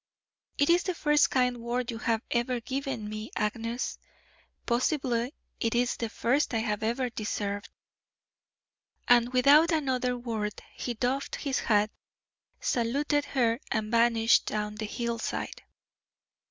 "It is the first kind word you have ever given me, Agnes. Possibly it is the first I have ever deserved." And without another word he doffed his hat, saluted her, and vanished down the hillside.